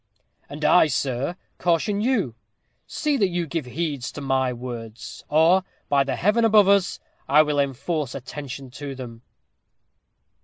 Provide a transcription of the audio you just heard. "And I, sir, caution you. See that you give heed to my words, or, by the heaven above us! I will enforce attention to them."